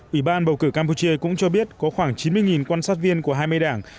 ủy ban bầu cử campuchia cũng cho biết có khoảng chín mươi quan sát viên của hai mươi đảng